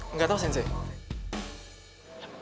enggak tahu sensei